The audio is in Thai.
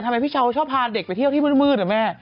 ทำไมพี่ช้าวชอบพาเด็กไปเที่ยวมืดนะแม่